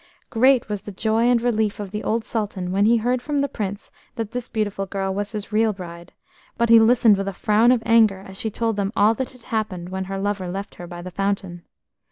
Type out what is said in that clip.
REAT was the joy and relief of the old Sultan when he heard from the Prince that this beautiful girl was his real bride, but he listened with a frown of anger as she told them all that had happened when her lover left her by the fountain.